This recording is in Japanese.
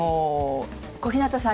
小日向さん